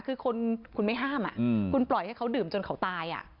คือคุณไม่ห้ามคุณปล่อยให้เขาดื่มจนเขาตาย